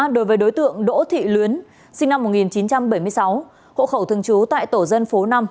đối với đối tượng đỗ thị luyến sinh năm một nghìn chín trăm bảy mươi sáu hộ khẩu thường trú tại tổ dân phố năm